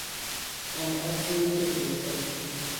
And observe his wisdom.